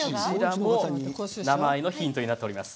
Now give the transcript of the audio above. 名前がヒントになっています。